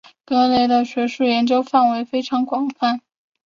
格雷的学术研究范围非常广泛。